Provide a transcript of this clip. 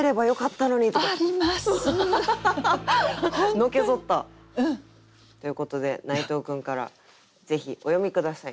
のけぞった。ということで内藤君からぜひお詠み下さい。